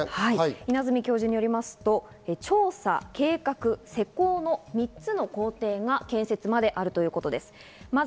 稲積教授によりますと、調査、計画、施工の３つの工程が建設まであるということです。